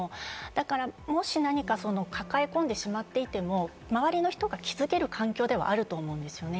だからもし何か抱え込んでしまっていても周りの人が気付ける環境ではあると思うんですよね。